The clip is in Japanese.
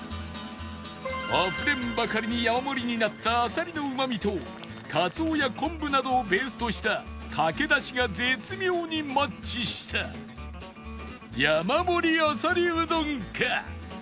あふれんばかりに山盛りになったあさりのうまみとかつおや昆布などをベースとしたかけだしが絶妙にマッチした山盛りあさりうどんか